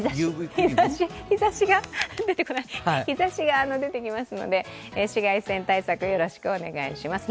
日ざしが出てきますので紫外線対策お願いします。